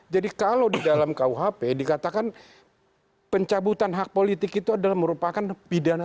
jadi kalau di dalam kuhp dikatakan pencabutan hak politik itu adalah merupakan pidanaan